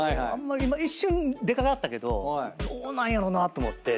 今一瞬出かかったけどどうなんやろうな？と思って。